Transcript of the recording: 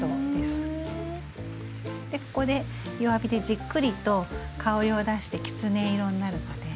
ここで弱火でじっくりと香りを出してきつね色になるまで。